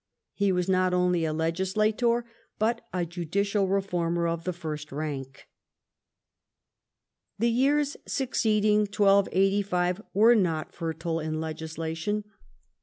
He was not only a legislator, but a judicial reformer of the first rank. The years succeeding 1285 were not fertile in legis lation.